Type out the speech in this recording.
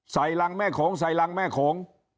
ใส่หลังแม่โขงใส่หลังแม่โขง